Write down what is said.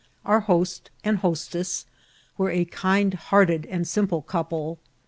Our host and hostess were a kind hearted and simple couple.